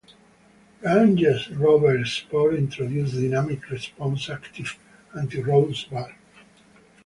Range Rover Sport introduced Dynamic Response active anti-roll bars.